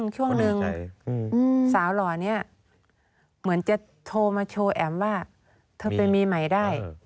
ช่วงหนึ่งสาวหล่อนี้เหมือนจะโทรมาโชว์แอ๋มว่าเธอไปมีใหม่ได้